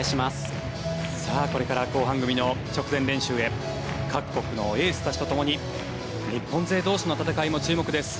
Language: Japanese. さあこれから後半組の直前練習へ各国のエースたちとともに日本勢同士の戦いも注目です。